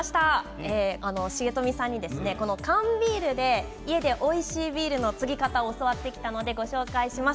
重富さんに缶ビールで家でおいしいビールのつぎ方を教わってきたので、ご紹介します。